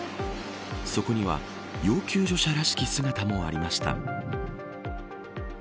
そこには要救助者らしき姿もありました。